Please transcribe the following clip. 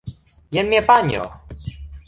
Jen mia panjo!